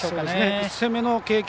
１戦目の経験